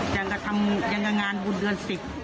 อย่างงานบุญเดือน๑๐